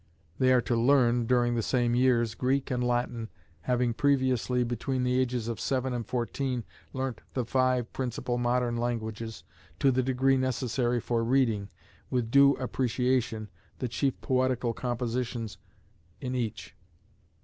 (N.B. They are to learn, during the same years, Greek and Latin, having previously, between the ages of seven and fourteen, learnt the five principal modern languages, to the degree necessary for reading, with due appreciation, the chief poetical compositions in each.)